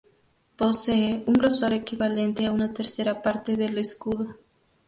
Posee un grosor equivalente a una tercera parte del escudo.